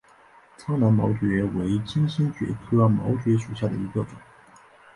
苍南毛蕨为金星蕨科毛蕨属下的一个种。